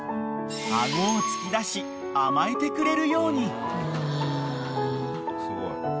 ［顎を突き出し甘えてくれるように］